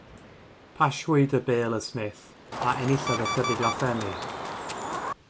Pasiwyd y bêl y Smith, a enillodd ychydig lathenni.